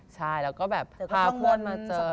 ใช่แล้วก็แบบพาเพื่อนมาเจอ